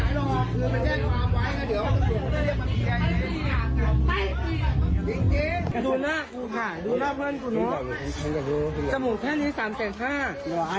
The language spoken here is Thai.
มึงช่วยอะไรไม่ได้หรอกไปคุยกันแล้วจบแค่นั้น